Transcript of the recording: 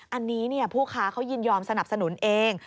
อันนี้ผู้ค้าเขายินยอมสนับสนุนเอง